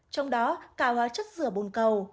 trong đó cả hóa chất dừa bồn cầu